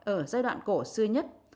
ở giai đoạn cổ xưa nhất